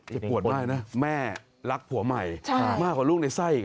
ปวดมากนะแม่รักผัวใหม่มากกว่าลูกในไส้อีก